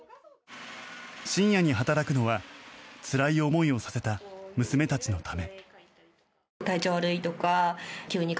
深夜に働くのはつらい思いをさせた娘たちのため。